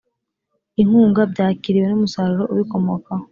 inkunga byakiriwe n umusaruro ubikomokaho